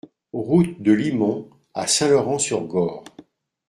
Route de Limont à Saint-Laurent-sur-Gorre